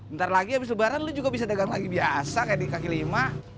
bentar lagi abis lebaran lu juga bisa dagang lagi biasa kayak di kaki lima